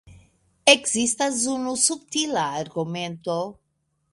Ekzistas unu subtila argumento.